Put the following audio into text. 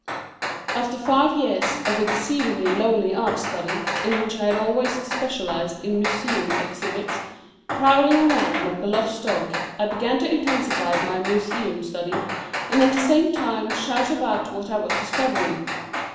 After five years of exceedingly lonely art study, in which I had always specialized in museum exhibits, prowling around like a lost dog, I began to intensify my museum study, and at the same time shout about what I was discovering.